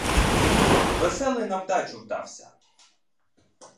Веселий на вдачу вдався!